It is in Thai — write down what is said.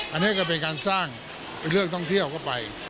อันนี้ก็เป็นการสร้างเลือกท่องเที่ยวก็ไป